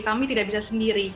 kami tidak bisa sendiri